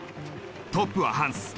トップはハンス。